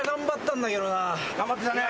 頑張ってたね。